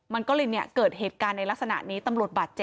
มันก็เลยเนี่ยเกิดเหตุการณ์ในลักษณะนี้ตำรวจบาดเจ็บ